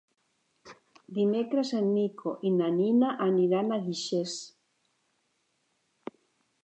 Dimecres en Nico i na Nina aniran a Guixers.